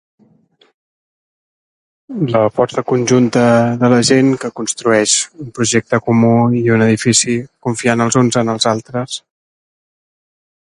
La força conjunta de la gent, que construeix un projecte comú i un edifici, confiant els uns en els altres.